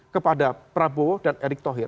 kepada prabowo dan erick thohir